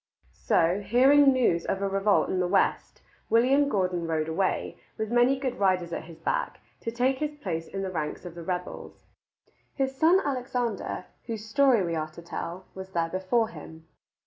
So, hearing news of a revolt in the west, William Gordon rode away, with many good riders at his back, to take his place in the ranks of the rebels. His son Alexander, whose story we are to tell, was there before him.